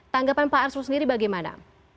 tanggapan pak arsul sendiri bagaimana